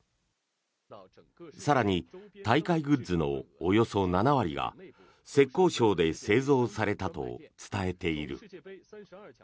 更に、大会グッズのおよそ７割が浙江省で製造されたと伝えている。